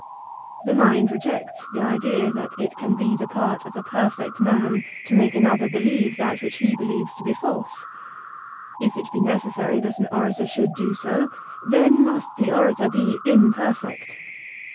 1 The mind rejects the idea that it can be the part of a perfect man to make another believe that which he believes to be false. If it be necessary that an orator should do so, then must the orator be imperfect.